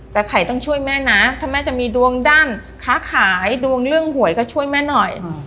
แต่ไข่ต้องช่วยแม่นะถ้าแม่จะมีดวงด้านค้าขายดวงเรื่องหวยก็ช่วยแม่หน่อย